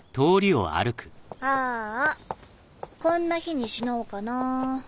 ああこんな日に死のうかな。